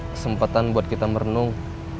kesempatan buat kita merenung